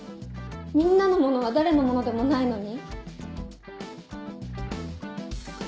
みんなのものは誰のものでもないのに？